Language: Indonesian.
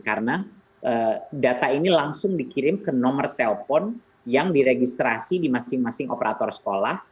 karena data ini langsung dikirim ke nomor telpon yang diregistrasi di masing masing operator sekolah